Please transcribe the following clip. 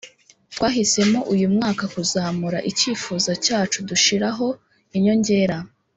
twahisemo uyu mwaka kuzamura icyifuzo cyacu dushiraho inyongera,